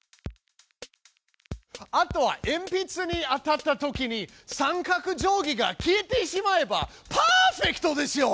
あとはえんぴつに当たったときに三角定規が消えてしまえばパーフェクトですよ！